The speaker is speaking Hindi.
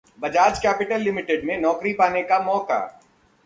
Bajaj Capital Limited में नौकरी पाने का मौका